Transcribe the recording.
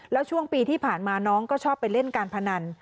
แล้วช่วงปีที่ผ่านมาน้องก็ชอบไปเล่นการพนัน